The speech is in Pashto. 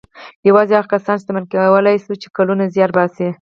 يوازې هغه کسان شتمني پيدا کولای شي چې کلونه زيار باسي.